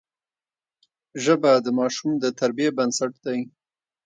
ژبه د ماشوم د تربیې بنسټ دی